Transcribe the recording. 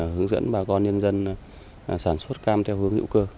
hướng dẫn bà con nhân dân sản xuất cam theo hướng hữu cơ